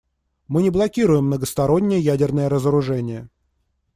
Мы не блокируем многостороннее ядерное разоружение.